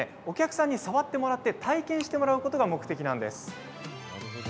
お客さんに触ってもらって体験してもらうことが目的なんです。